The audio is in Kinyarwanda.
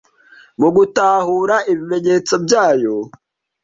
mu gutahura ibimenyetso byayo